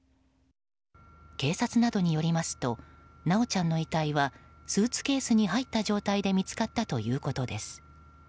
警察などによりますと修ちゃんの遺体はスーツケースに入った状態で見つかったということです。